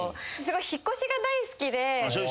すごい引っ越しが大好きで。